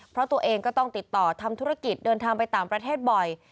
เพราะตัวเองก็ต้องติดต่อทำธุรกิจเดินทางไปต่างประเทศบ่อย